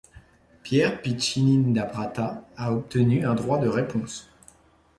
Pierre Piccinin da Prata a obtenu un droit de réponse.